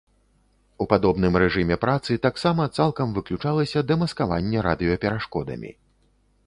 У падобным рэжыме працы таксама цалкам выключалася дэмаскаванне радыёперашкодамі.